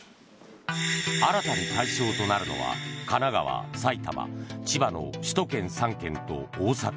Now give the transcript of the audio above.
新たに対象となるのは神奈川、埼玉、千葉の首都圏３県と大阪。